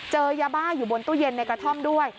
เจอยาบ้าอยู่บนตู้เย็นในกระท่อมด้วย